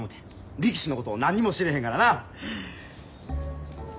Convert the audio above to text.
力士のこと何にも知れへんからなあ。